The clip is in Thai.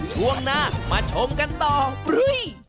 ช่วงหน้ามาชมกันต่อปลุย